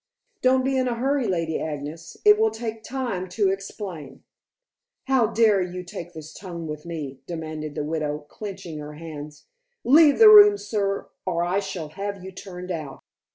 "Don't be in a hurry, Lady Agnes. It will take time to explain." "How dare you take this tone with me?" demanded the widow, clenching her hands. "Leave the room, sir, or I shall have you turned out."